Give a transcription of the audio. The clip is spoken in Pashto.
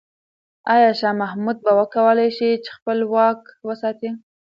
آیا شاه محمود به وکولای شي چې خپل واک وساتي؟